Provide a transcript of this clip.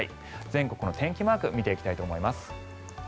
全国の天気マーク見ていきたいと思います。